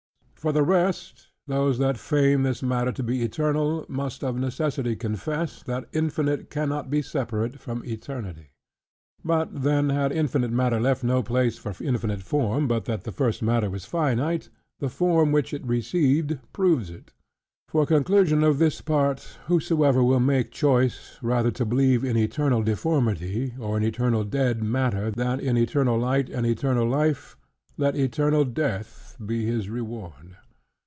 For the rest, those that feign this matter to be eternal, must of necessity confess, that infinite cannot be separate from eternity. And then had infinite matter left no place for infinite form, but that the first matter was finite, the form which it received proves it. For conclusion of this part, whosoever will make choice, rather to believe in eternal deformity, or in eternal dead matter, than in eternal light and eternal life: let eternal death be his reward.